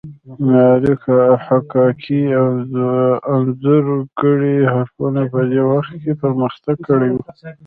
معمارۍ، حکاکۍ او انځورګرۍ حرفو په دې وخت کې پرمختګ کړی و.